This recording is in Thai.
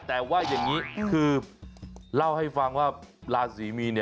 แต่ว่าอย่างนี้คือเล่าให้ฟังว่าราศีมีน